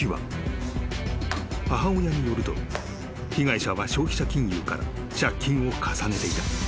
［母親によると被害者は消費者金融から借金を重ねていた］